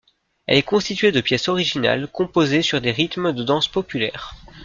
Elle est constituée de pièces originales composées sur des rythmes de danses populaires.